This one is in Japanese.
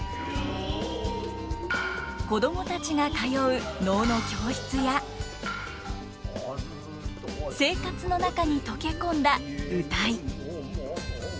子供たちが通う能の教室や生活の中に溶け込んだ謡。